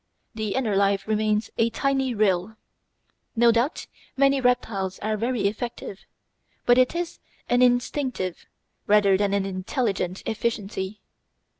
The inner life remains a tiny rill. No doubt many reptiles are very effective; but it is an instinctive rather than an intelligent efficiency.